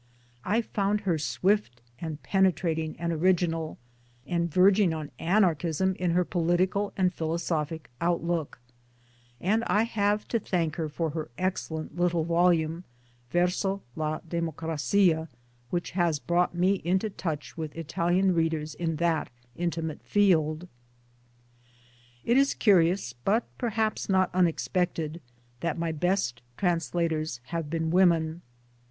I found her swift and penetrating] and original, and verging on Anarchism in her political and philosophic outlook ; and I have to thank her for her excellent little volume Verso la Democrazia 2 which has brought me into touch with! Italian readers in that intimate field.; It is curious, but perhaps not unexpected, that my best translators have been women.